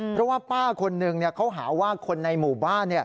เพราะว่าป้าคนหนึ่งเขาหาว่าคนในหมู่บ้าน